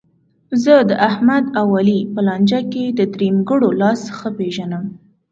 زه داحمد او علي په لانجه کې د درېیمګړو لاس ښه پېژنم.